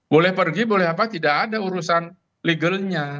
boleh pergi boleh apa tidak ada urusan legalnya